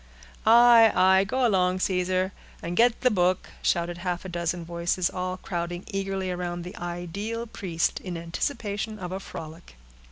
"Aye, aye, go along, Caesar, and get the book," shouted half a dozen voices, all crowding eagerly around the ideal priest, in anticipation of a frolic.